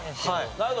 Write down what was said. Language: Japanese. なるほど。